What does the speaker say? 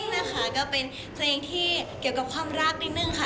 นะคะก็เป็นเพลงที่เกี่ยวกับความรักนิดนึงค่ะ